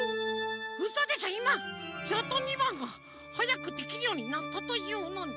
うそでしょいまやっと２ばんがはやくできるようになったというのに。